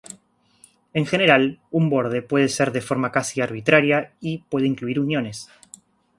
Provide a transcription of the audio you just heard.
En general, un borde puede ser de forma casi arbitraria, y puede incluir uniones.